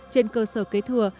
trên cơ sở kế thừa